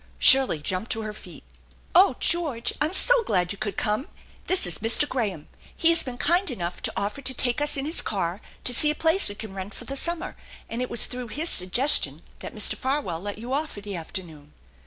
Shirley jumped to her feet. " Oh, George, I'm so glad you could come ! This is Mr. Graham. He has been kind enough to offer to take us in hia car to see a place we can rent for the summer, and it was through his suggestion that Mr. Farwell let you off for the afternoon."